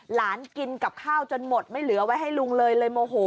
หลานกินกับข้าวจนหมดไม่เหลือไว้ให้ลุงเลยเลยโมโห